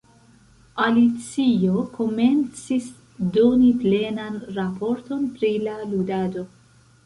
Alicio komencis doni plenan raporton pri la ludado.